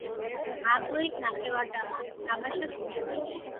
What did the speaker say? ამპლუით ნახევარმცველი, თამაშობს მილანში.